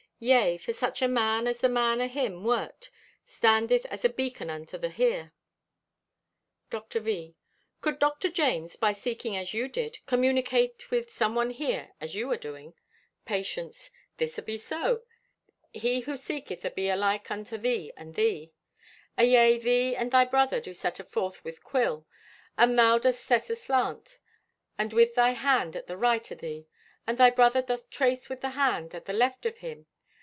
Yea, for such a man as the man o' him wert, standeth as a beacon unto the Here." Dr. V.—"Could Dr. James, by seeking as you did, communicate with someone here as you are doing?" Patience.—"This abe so; he who seeketh abe alike unto thee and thee. Ayea, thee and thy brother do set forth with quill, and thou dost set aslant, and with thy hand at the right o' thee. And thy brother doth trace with the hand at the left of him.